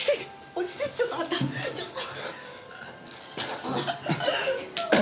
落ち着いてちょっとあなたちょっと！